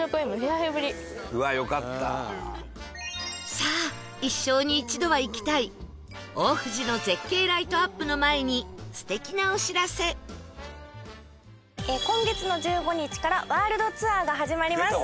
さあ一生に一度は行きたい大藤の絶景ライトアップの前に今月の１５日からワールドツアーが始まります。